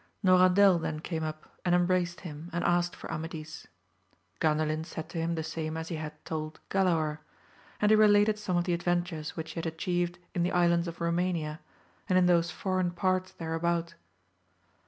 Norandel then came up and em* braced him, and asked for Amadis. Gandalin said to him the same as he had told Galaor : and he related some of the adventures which he had atchieved in the Islands of Komania, and in those foreign parts there about.